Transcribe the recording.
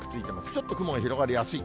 ちょっと雲が広がりやすい。